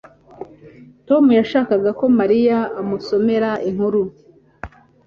Tom yashakaga ko Mariya amusomera inkuru